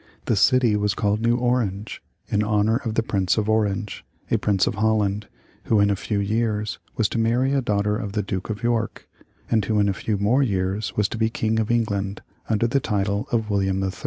The city was called New Orange, in honor of the Prince of Orange a prince of Holland, who in a few years was to marry a daughter of the Duke of York, and who in a few more years was to be King of England under the title of William III.